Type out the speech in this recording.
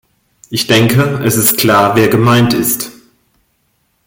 Ich denke, es ist klar, wer gemeint ist.